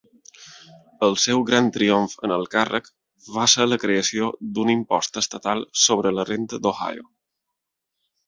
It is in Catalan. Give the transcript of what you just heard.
El seu gran triomf en el càrrec va ser la creació d'un l'impost estatal sobre la renda d'Ohio.